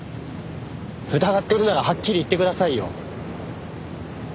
疑ってるならはっきり言ってくださいよ。